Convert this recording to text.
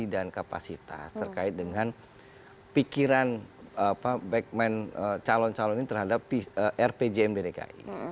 dan kapasitas terkait dengan pikiran backman calon calon terhadap rpjm dki